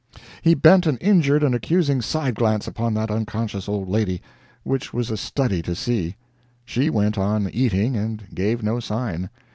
He bent an injured and accusing side glance upon that unconscious old lady, which was a study to see. She went on eating and gave no sign.